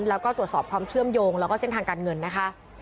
แล้วก็ตรวจสอบความเชื่อมโยงแล้วก็เส้นทางการเงินนะคะ